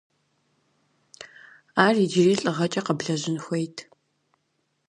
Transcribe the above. Ар иджыри лӏыгъэкӏэ къэблэжьын хуейт.